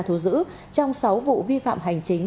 thu giữ trong sáu vụ vi phạm hành chính